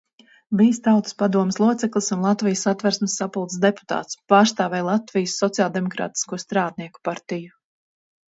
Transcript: Bijis Tautas padomes loceklis un Latvijas Satversmes sapulces deputāts, pārstāvēja Latvijas Sociāldemokrātisko strādnieku partiju.